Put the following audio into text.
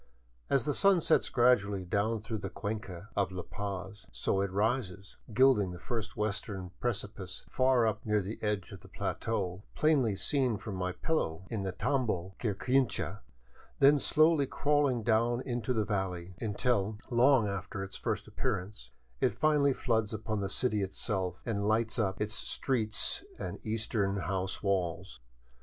As the sun sets gradually down through the cuenca of La Paz, so it rises, gilding first the western precipice far up near the edge of the plateau, plainly seen from my pillow in the '* Tambo Quirquincha," then slowly crawling down into the valley until, long after its first appearance, it finally floods in upon the city itself and lights up its 5" VAGABONDING DOWN THE ANDES streets and eastern house walls.